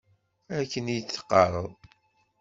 Akken i d-teqqareḍ.